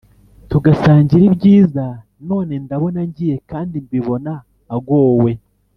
Tugasangira ibyiza None ndabona ngiye Kandi mbibona agowe!